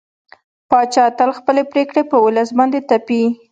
پاچا تل خپلې پرېکړې په ولس باندې تپي.